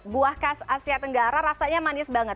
buah khas asia tenggara rasanya manis banget